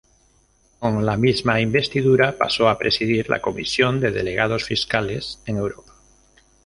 Con la misma investidura pasó a presidir la Comisión de Delegados Fiscales en Europa.